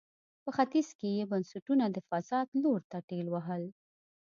په ختیځ کې یې بنسټونه د فساد لور ته ټېل وهل.